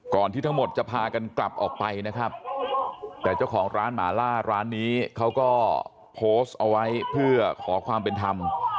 ที่ทั้งหมดจะพากันกลับออกไปนะครับแต่เจ้าของร้านหมาล่าร้านนี้เขาก็โพสต์เอาไว้เพื่อขอความเป็นธรรม